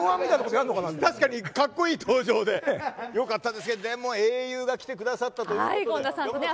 確かにかっこいい登場でよかったですけど、でも英雄が来てくださったということで。